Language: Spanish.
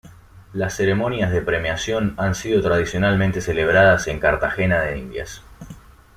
La ceremonias de premiación han sido tradicionalmente celebradas en Cartagena de Indias.